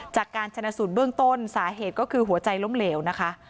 จากการชนะสูตรเบื้องต้นสาเหตุก็คือหัวใจล้มเหลวนะคะ